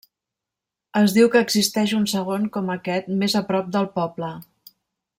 Es diu que existeix un segon com aquest més a prop del poble.